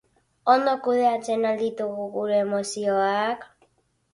Ondo kudeatzen al ditugu gure emozioak?